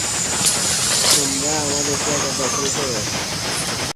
তোমরা আমাদের জায়গা দখল কর!